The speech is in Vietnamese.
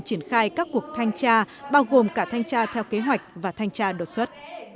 triển khai các cuộc thanh tra bao gồm cả thanh tra theo kế hoạch và thanh tra đột xuất